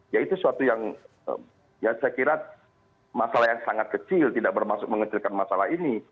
ya itu suatu yang saya kira masalah yang sangat kecil tidak bermaksud mengecilkan masalah ini